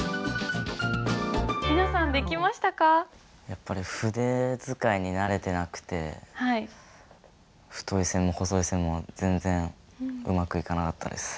やっぱり筆使いに慣れてなくて太い線も細い線も全然うまくいかなかったです。